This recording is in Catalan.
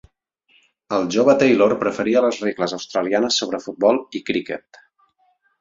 El jove Taylor preferia les regles australianes sobre futbol i criquet.